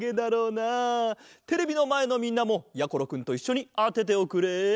テレビのまえのみんなもやころくんといっしょにあてておくれ。